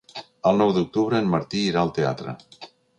El nou d'octubre en Martí irà al teatre.